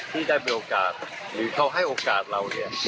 ที่ได้มีโอกาสหรือเขาให้โอกาสเราเนี่ย